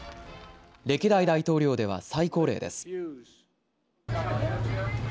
歴代大統領では最高齢です。